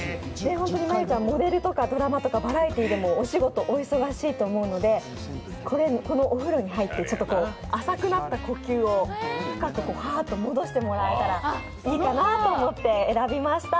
真悠ちゃん、モデルとかドラマとかバラエティーとかでお仕事、お忙しいと思うので、このお風呂に入って浅くなった呼吸を深くはーっと戻してもらえたらいいかなと思って選びました。